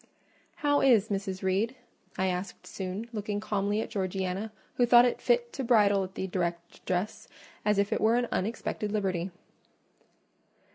"How is Mrs. Reed?" I asked soon, looking calmly at Georgiana, who thought fit to bridle at the direct address, as if it were an unexpected liberty.